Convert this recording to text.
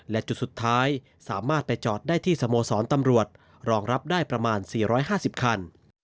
และจุดสุดท้ายสามารถไปจอดได้ที่สโมสรตำรวจรองรับได้ประมาณ๔๕๐คัน